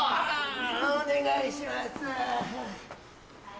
・お願いします。